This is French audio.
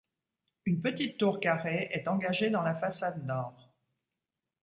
Une petite tour carrée est engagée dans la façade nord.